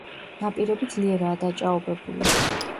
ნაპირები ძლიერაა დაჭაობებული.